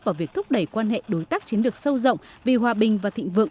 vào việc thúc đẩy quan hệ đối tác chiến lược sâu rộng vì hòa bình và thịnh vượng